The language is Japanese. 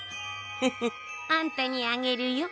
フフッあんたにあげるよ。